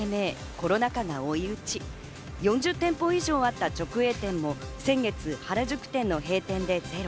コロナ禍が追い打ち、４０店舗以上あった直営店も先月、原宿店の閉店でゼロ。